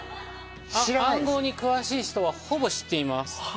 暗号に詳しい人はほぼ知っています。